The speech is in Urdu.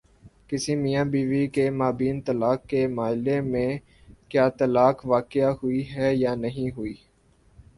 کسی میاں بیوی کے مابین طلاق کے مألے میں کیا طلاق واقع ہوئی ہے یا نہیں ہوئی؟